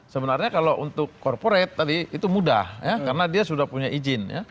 sebenarnya kalau untuk korporate tadi itu mudah ya karena dia sudah punya izin